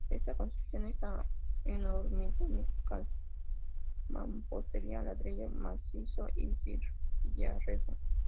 Está construido en hormigón y cal, mampostería, ladrillo macizo y sillarejo.